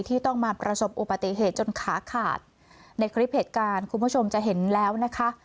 ที่ต้องมาประสบอุบัติเหตุจนขาขาดในคลิปเหตุการณ์คุณผู้ชมจะเห็นแล้วนะคะ